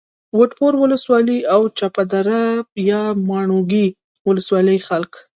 وټپور ولسوالي او چپه دره یا ماڼوګي ولسوالۍ خلک